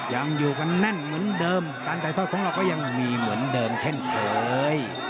ยังอยู่กันแน่นเหมือนเดิมการถ่ายทอดของเราก็ยังมีเหมือนเดิมเช่นเคย